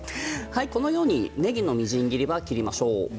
このようにねぎのみじん切りを切りましょう。